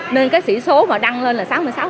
nên cái sĩ số mà đăng lên là sáu mươi sáu